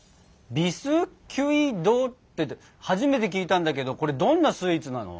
「ビスキュイ・ド」って初めて聞いたんだけどこれどんなスイーツなの？